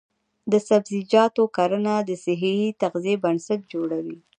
د سبزیجاتو کرنه د صحي تغذیې بنسټ جوړوي.